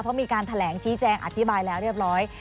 เพราะมีการแถลงชี้แจงอธิบายแล้วเรียบร้อย